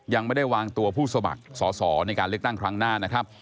ยังไม่ได้วางตัวผู้สมัครสอสอในการเลือกตั้งครั้งหน้านะครับ